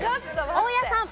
大家さん。